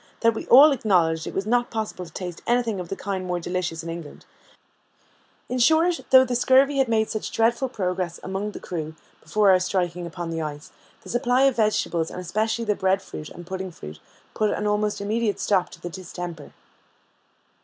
that we all acknowledged it was not possible to taste anything of the kind more delicious in England: in short, though the scurvy had made such dreadful progress among the crew before our striking upon the ice, the supply of vegetables, and especially the bread fruit and pudding fruit, put an almost immediate stop to the distemper.